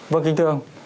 vâng kính thương